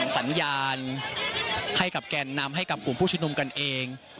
สัญญาณให้กับแก่นนำให้กับกลุ่มผู้ชุมนุมกันเอง